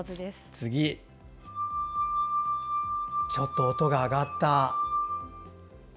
次ちょっと音が上がった。